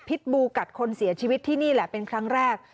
บูกัดคนเสียชีวิตที่นี่แหละเป็นครั้งแรก